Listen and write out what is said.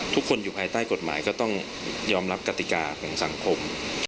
ทุกคนอยู่ภายใต้กฎหมายก็ต้องยอมรับกติกาของสังคม